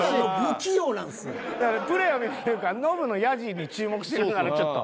だからプレイを見るいうかノブのヤジに注目しながらちょっと。